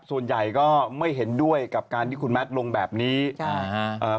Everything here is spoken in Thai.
ส่วนใหญ่ก็ไม่เห็นด้วยกับการที่คุณแมทลงแบบนี้ใช่ฮะเอ่อ